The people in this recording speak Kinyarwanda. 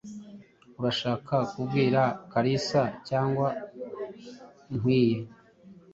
Urashaka kubwira Kalisa cyangwa nkwiye?